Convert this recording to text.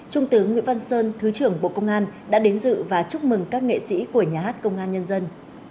trung tướng nguyễn văn sơn thứ trưởng bộ công an đã đến dự và chúc mừng các nghệ sĩ của nhà hát công an nhân dân